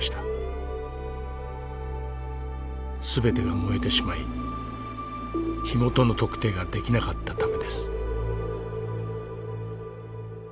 全てが燃えてしまい火元の特定ができなかったためです。